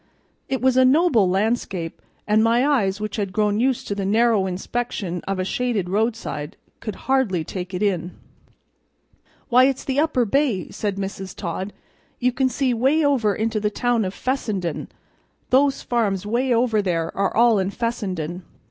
It was a noble landscape, and my eyes, which had grown used to the narrow inspection of a shaded roadside, could hardly take it in. "Why, it's the upper bay," said Mrs. Todd. "You can see 'way over into the town of Fessenden. Those farms 'way over there are all in Fessenden.